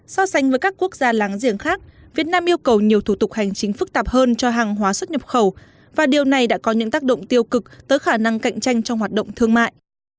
so sánh với các quốc gia láng giềng khác việt nam yêu cầu nhiều thủ tục hành chính phức tạp hơn cho hàng hóa xuất nhập khẩu và điều này đã có những tác động tiêu cực tới khả năng cạnh tranh trong hoạt động thương mại